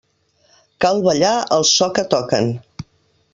Cal ballar al so que toquen.